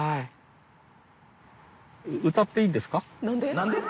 歌っていいんですか？